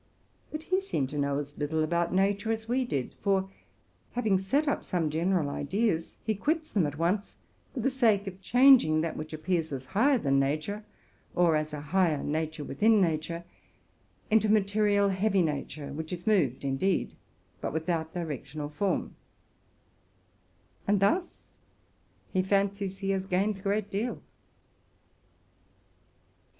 But he seemed to know as little about nature as we did; for, having set up some general ideas, he quits them at once, for the sake of changing that which ap pears as higher than nature, or as a higher nature within nature, into material, heavy nature, which is moved, indeed, but without direction or form—and thus he fancies he has gained a great deal.